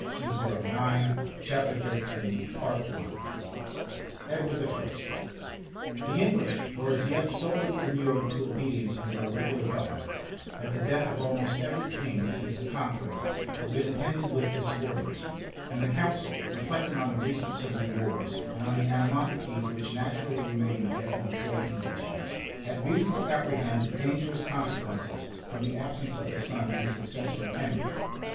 ] {1272.} The English were as yet so little inured to obedience under a regular government, that the death of almost every king, since the conquest, had been attended with disorders, and the council, reflecting on the recent civil wars, and on the animosities which naturally remain after these great convulsions, had reason to apprehend dangerous consequences from the absence of the son and successor of Henry.